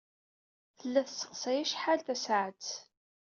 Tella tesseqsay acḥal tasaɛet.